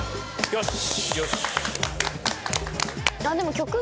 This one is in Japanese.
よし！